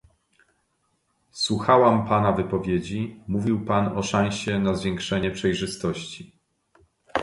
Słuchałam pana wypowiedzi, mówił pan o "szansie" na zwiększenie przejrzystości